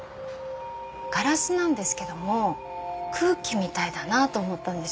ガラスなんですけども空気みたいだなと思ったんですよ。